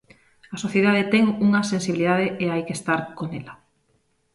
A sociedade ten unha sensibilidade e hai que estar con ela.